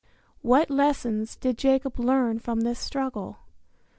What lessons did Jacob learn from this struggle?